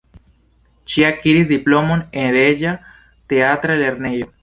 Ŝi akiris diplomon en Reĝa Teatra Lernejo.